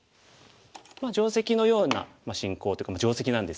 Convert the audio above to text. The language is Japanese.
定石のような進行というか定石なんですけれども。